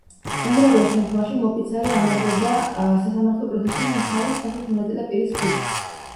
უმრავლეს შემთხვევაში მოფიცარი ამაგრებდა სასამართლო პროცესში მხარის სახით მონაწილე პირის ფიცს.